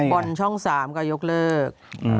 บอลช่อง๓ก็ยกเลิก